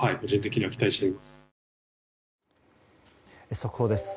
速報です。